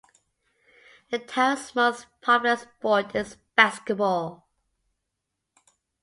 The town's most popular sport is basketball.